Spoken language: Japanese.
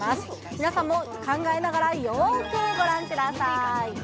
皆さんも考えながら、よーくご覧ください。